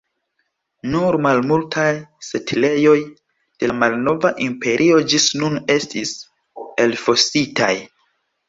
Nur malmultaj setlejoj de la Malnova Imperio ĝis nun estis elfositaj.